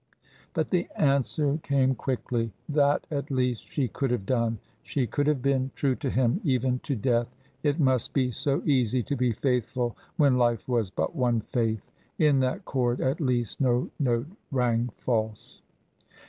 But the answer came quickly. That, at least, she could have done. She could have been true to him, even to death. It must be so easy to be faithful when life was but one faith. In that chord at least no note rang false.